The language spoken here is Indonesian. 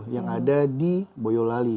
yang ada di boyolali